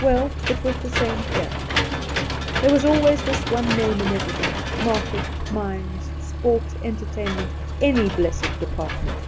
Well, it was the same here. There was always this one name in everything — market, mines, sport, entertainment — any blessed department.